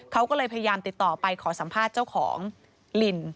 เขาก็เลยพยายามติดต่อไปขอสัมภาษณ์เจ้าของลิน